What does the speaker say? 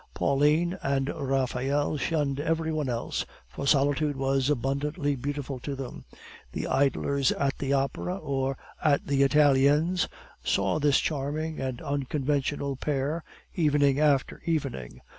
Pauline and Raphael shunned every one else, for solitude was abundantly beautiful to them. The idlers at the Opera, or at the Italiens, saw this charming and unconventional pair evening after evening.